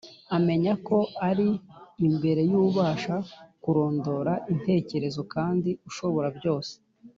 . Amenya ko ari imbere y’ubasha kurondora intekerezo, kandi ushobora byose